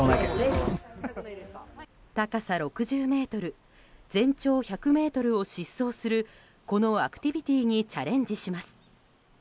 高さ６０ｍ全長１００ｍを疾走するこのアクティビティーにチャレンジします。